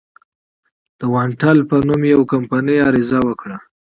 د اوانټل په نوم یوې کمپنۍ عریضه وکړه.